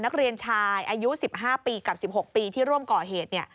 นักเรียนชายอายุ๑๕ปีกับ๑๖ปีที่ร่วมก่อเหตุ